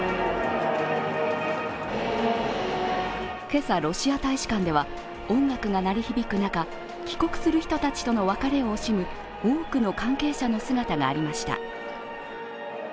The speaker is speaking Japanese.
今朝ロシア大使館では、音楽が鳴り響く中、帰国する人たちとの別れを惜しむ多くの関係者の姿がありました。